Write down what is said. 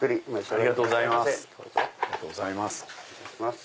ありがとうございます。